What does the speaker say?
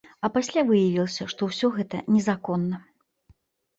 А пасля выявілася, што ўсё гэта незаконна.